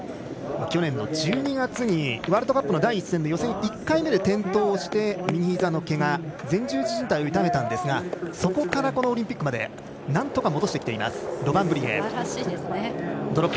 去年の１２月にワールドカップの第１戦で予選１回目で転倒して右ひざのけが前十字じん帯を痛めたんですがそこからオリンピックまでなんとか戻してきています。